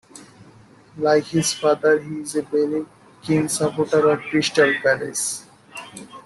Like his father, he is a very keen supporter of Crystal Palace.